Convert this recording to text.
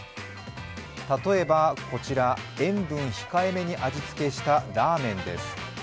例えば、こちら塩分控えめに味つけしたラーメンです。